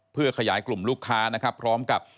เพื่อขยายกลุ่มลูกค้านะครับพร้อมกับ